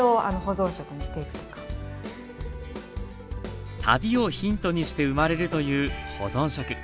農家さんに旅をヒントにして生まれるという保存食。